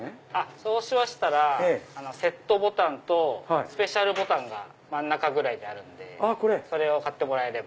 そうしましたらセットボタンとスペシャルボタンが真ん中ぐらいにあるんでそれを買ってもらえれば。